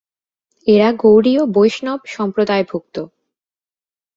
এরা গৌড়ীয় বৈষ্ণব সম্প্রদায়ভুক্ত।